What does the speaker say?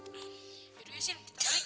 yaudah ya sien kita balik